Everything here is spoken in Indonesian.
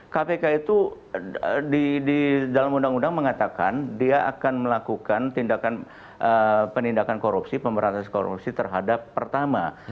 kpk itu di dalam undang undang mengatakan dia akan melakukan tindakan penindakan korupsi pemberantasan korupsi terhadap pertama